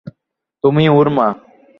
তুমি ওর মা।